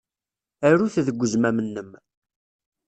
Aru-t deg uzmam-nnem.